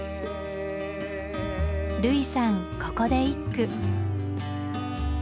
類さんここで一句。